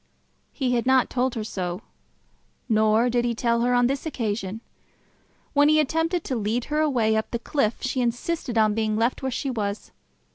He had not told her so; nor did he tell her on this occasion. When he attempted to lead her away up the cliff, she insisted on being left where she was.